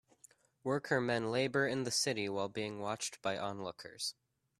Worker men labor in the city while being watched by onlookers.